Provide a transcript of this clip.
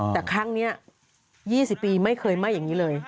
แต่ครั้งนี้๒๐ปีไม่เคยไหม้อย่างนี้เลย